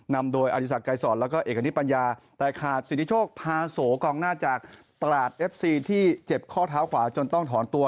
นำโดยอธิสักไกรสอนแล้วก็เอกณิตปัญญาแต่ขาดสิทธิโชคพาโสกองหน้าจากตลาดเอฟซีที่เจ็บข้อเท้าขวาจนต้องถอนตัว